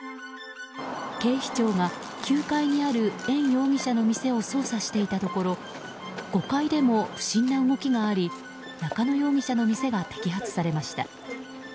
警視庁が９階にあるエン容疑者の店を捜査していたところ５階でも不審な動きがあり中野容疑者の店が摘発されました。